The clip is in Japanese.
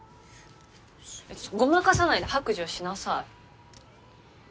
ごまかさないで白状しなさい。